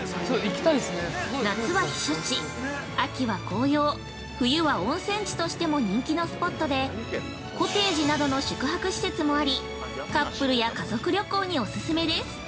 夏は避暑地、秋は紅葉冬は温泉地としても人気のスポットでコテージなどの宿泊施設もあり、カップルや家族旅行にお勧めです。